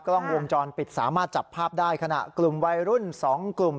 กล้องวงจรปิดสามารถจับภาพได้ขณะกลุ่มวัยรุ่น๒กลุ่ม